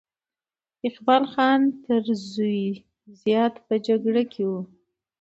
اقبال خان تر زوی زیات په جګړه کې وو.